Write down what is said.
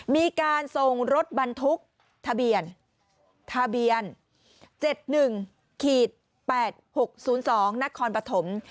มีการทรงรถบรรทุกทะเบียน๗๑๘๖๐๒นครปฐม